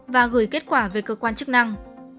và gửi kết quả về cơ quan chức năng